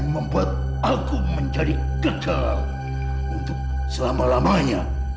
sampai jumpa di video selanjutnya